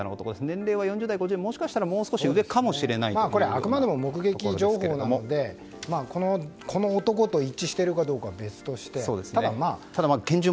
年齢は４０代５０代よりもしかしたらあくまでも目撃情報なのでこの男と一致しているかどうかは別として。